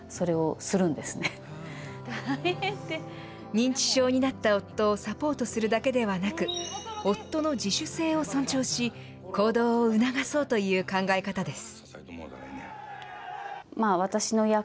認知症になった夫をサポートするだけではなく、夫の自主性を尊重し、行動を促そうという考え方です。